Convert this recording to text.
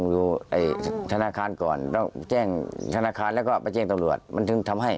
ยังหล่อยเยอะ